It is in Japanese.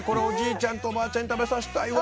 ちゃんとおばあちゃんに食べさせたいわ。